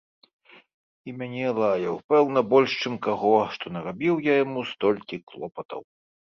І мяне лаяў, пэўна, больш чым каго, што нарабіў я яму столькі клопатаў.